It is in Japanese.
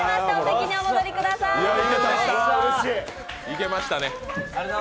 いけましたね。